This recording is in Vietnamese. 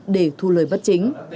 để thu lời bất chính